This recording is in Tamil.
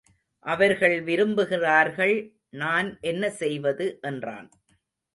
அவர்கள் விரும்புகிறார்கள் நான் என்ன செய்வது என்றான்.